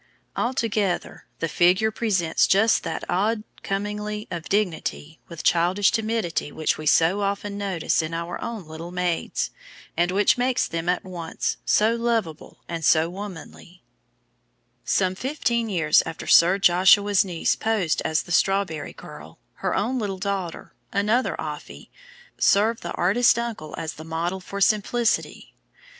Altogether, the figure presents just that odd commingling of dignity with childish timidity which we so often notice in our own little maids, and which makes them at once so lovable and so womanly. [Illustration: THE STRAWBERRY GIRL. REYNOLDS.] Some fifteen years after Sir Joshua's niece posed as the Strawberry Girl, her own little daughter, another "Offy," served the artist uncle as the model for Simplicity.